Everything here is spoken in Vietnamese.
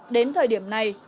đến thời điểm này